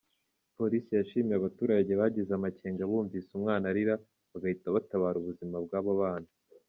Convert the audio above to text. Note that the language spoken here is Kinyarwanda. Polisi yashimiye abaturage bagize amakenga bumvise umwana arira, bagahita batabara ubuzima bw’abo bana.